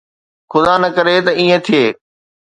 خدا نه ڪري ته ائين ٿئي.